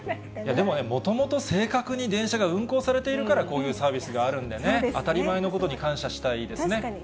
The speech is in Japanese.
でもね、もともと、正確に電車が運行されているから、こういうサービスがあるんでね、当たり確かに。